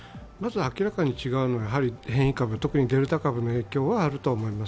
明らかに違うのは変異株特にデルタ株の影響はあると思います。